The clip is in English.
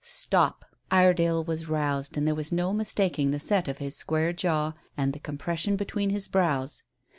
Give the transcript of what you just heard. "Stop!" Iredale was roused, and there was no mistaking the set of his square jaw and the compression between his brows.